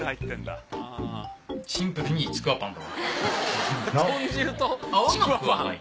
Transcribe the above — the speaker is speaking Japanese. シンプルにちくわパンだわ。